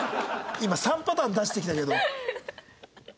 今３パターン出してきたけど。